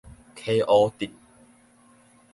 溪湖鎮